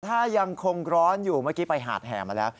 ถ้ายังคงร้อนอยู่เมื่อกี้ไปหาดแห่มาแล้ว